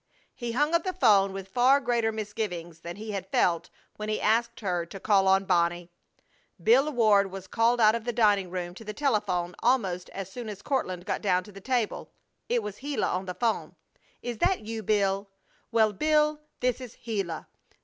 He hung up the 'phone with far greater misgivings than he had felt when he asked her to call on Bonnie. Bill Ward was called out of the dining room to the telephone almost as soon as Courtland got down to the table. It was Gila on the phone: "Is that you Bill? Well, Bill, this is Gila.